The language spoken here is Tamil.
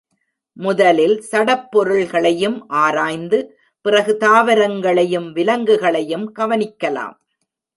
முதலில் சடப்பொருள்களையும் ஆராய்ந்து, பிறகு தாவரங்களையும் விலங்குகளையும் கவனிக்கலாம்.